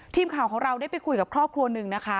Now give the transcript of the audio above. ทีมข่าวของเราได้ไปคุยกับครอบครัวหนึ่งนะคะ